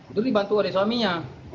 itu dibantu oleh suaminya